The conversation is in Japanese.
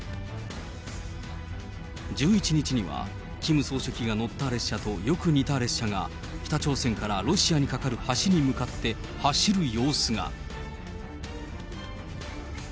１１日には、キム総書記が乗った列車とよく似た列車が、北朝鮮からロシアに架かる橋に向かって走る様子が。